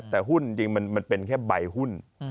แต่หุ้นจริงมันเป็นแค่ใบหุ้น